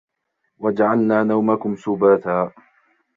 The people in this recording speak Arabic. وَجَعَلْنَا نَوْمَكُمْ سُبَاتًا